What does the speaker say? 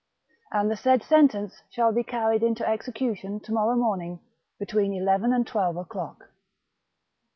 And the said sentence shall be carried into execution to morrow morning between eleven and twelve o'clock."